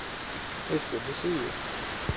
It's good to see you.